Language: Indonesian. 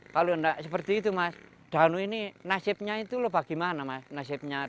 kalau tidak seperti itu nasibnya danu bagaimana